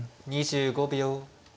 ２５秒。